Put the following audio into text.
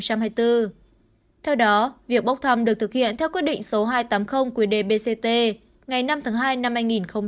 theo đó việc bốc tham được thực hiện theo quyết định số hai trăm tám mươi quyền đề bct ngày năm tháng hai năm hai nghìn hai mươi bốn